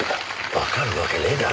わかるわけねえだろ。